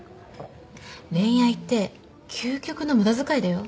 恋愛って究極の無駄遣いだよ。